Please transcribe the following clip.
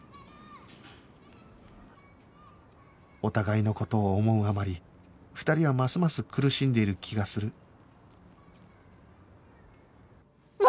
お互いの事を思うあまり２人はますます苦しんでいる気がする